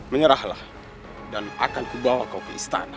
menyerahlah dan akan kubawa kau ke istana